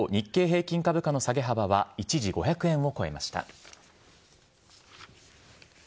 一方、日経平均株価の下げ幅は一時５００円を超えました。